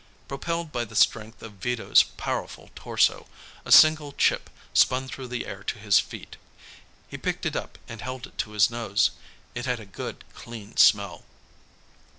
Propelled by the strength of Vito's powerful torso, a single chip spun through the air to his feet. He picked it up and held it to his nose. It had a good, clean smell.